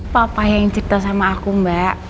papa yang cipta sama aku mbak